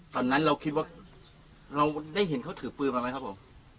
ตอนนั้นเราคิดว่าเราได้เห็นเขาถือปืนมาไหมครับผม